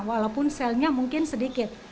walaupun selnya mungkin sedikit